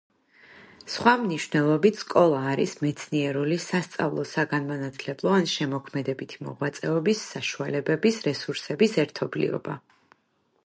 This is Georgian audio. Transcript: სხვა მნიშვნელობით სკოლა არის მეცნიერული, სასწავლო საგანმანათლებლო, ან შემოქმედებითი მოღვაწეობის, საშუალებების, რესურსების ერთობლიობა.